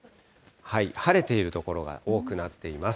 晴れている所が多くなっています。